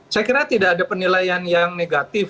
saya kira tidak ada penilaian yang negatif